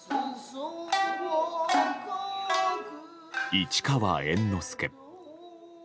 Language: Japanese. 市川猿之助。